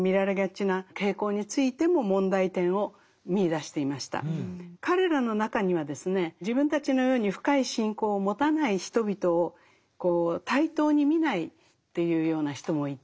それからまた彼らの中にはですね自分たちのように深い信仰を持たない人々をこう対等に見ないというような人もいて。